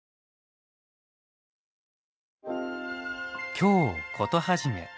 「京コトはじめ」。